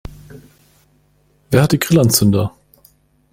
Wer hat die Grillanzünder?